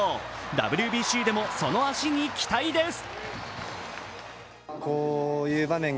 ＷＢＣでも、その足に期待です。